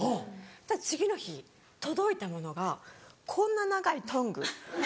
そしたら次の日届いたものがこんな長いトング。